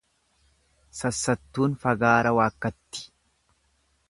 Sassattuun fagaara waakkatti.